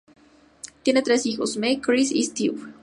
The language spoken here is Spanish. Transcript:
Tiene tres hijos: Meg, Chris y Stewie.